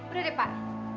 udah deh pak